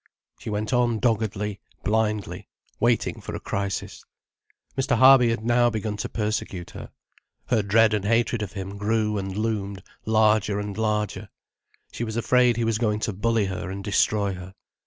She went on doggedly, blindly, waiting for a crisis. Mr. Harby had now begun to persecute her. Her dread and hatred of him grew and loomed larger and larger. She was afraid he was going to bully her and destroy her.